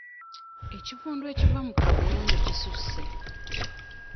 Ekivundu ekiva mu kabuyonjo kisusse.